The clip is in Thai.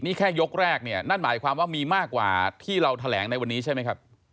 นี่แค่ยกแรกเนี่ยนั่นหมายความว่ามีมากกว่าที่เราแถลงในวันนี้ใช่ไหมครับ